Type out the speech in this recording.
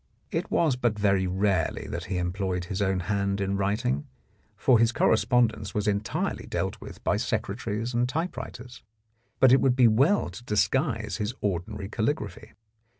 It was but very rarely that he employed his own hand in writing, for his correspondence was entirely dealt with by secretaries and typewriters, but it would be well to disguise his ordinary caligraphy.